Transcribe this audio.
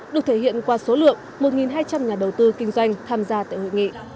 được thể hiện qua số lượng một hai trăm linh nhà đầu tư kinh doanh tham gia tại hội nghị